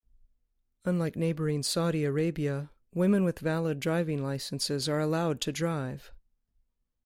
Unlike neighboring Saudi Arabia, women with valid driving licences are allowed to drive.